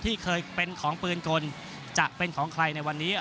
ที่เคยเป็นของปืนกลจะเป็นของใครในวันนี้